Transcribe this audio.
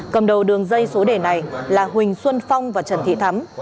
cầm đầu đường dây số đề này là huỳnh xuân phong và trần thị thắm